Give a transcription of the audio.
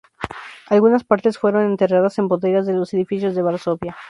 Algunas partes fueron enterradas en bodegas de los edificios de Varsovia.